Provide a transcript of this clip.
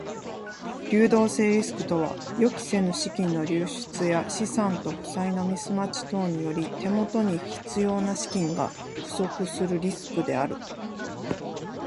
流動性リスクとは予期せぬ資金の流出や資産と負債のミスマッチ等により手元に必要な資金が不足するリスクである。